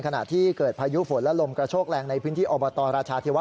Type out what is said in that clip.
ขณะที่เกิดพายุฝนและลมกระโชกแรงในพื้นที่อบตราชาเทวะ